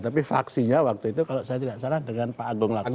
tapi faksinya waktu itu kalau saya tidak salah dengan pak agung laksono